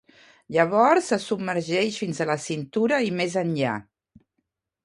Llavors se submergeix fins a la cintura i més enllà.